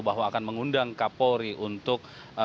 bahwa akan mengundang kapolri untuk